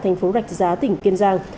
thành phố rạch giá tỉnh kiên giang